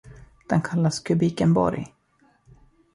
Den kallas Kubikenborg.